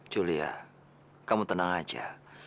julia kamu tenang saja